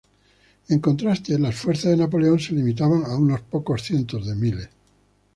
En contraste, las fuerzas de Napoleón se limitaban a unos pocos cientos de miles.